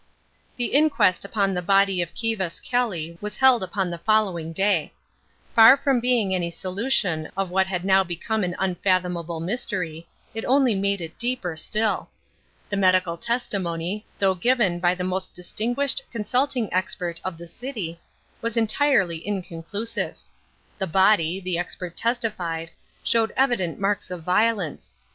The inquest upon the body of Kivas Kelly was held upon the following day. Far from offering any solution of what had now become an unfathomable mystery, it only made it deeper still. The medical testimony, though given by the most distinguished consulting expert of the city, was entirely inconclusive. The body, the expert testified, showed evident marks of violence.